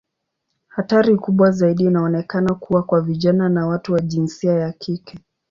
Hatari kubwa zaidi inaonekana kuwa kwa vijana na watu wa jinsia ya kike.